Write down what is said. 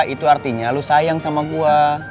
itu artinya lu sayang sama gue